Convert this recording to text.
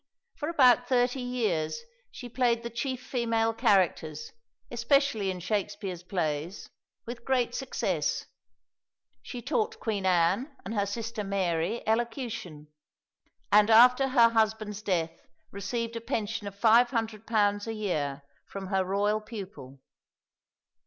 For about thirty years she played the chief female characters, especially in Shakspere's plays, with great success. She taught Queen Anne and her sister Mary elocution, and after her husband's death received a pension of £500 a year from her royal pupil.